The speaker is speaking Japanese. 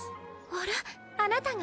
あらあなたが？